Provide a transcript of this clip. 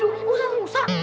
waduh usah usah